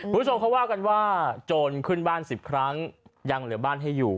คุณผู้ชมเขาว่ากันว่าโจรขึ้นบ้าน๑๐ครั้งยังเหลือบ้านให้อยู่